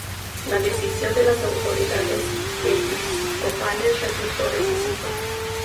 La decisión de las autoridades episcopales resultó decisiva.